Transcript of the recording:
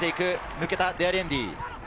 抜けた、デアリエンディ。